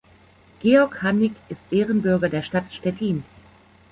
Georg Hannig ist Ehrenbürger der Stadt Stettin.